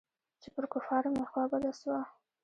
چې پر کفارو مې خوا بده سوه.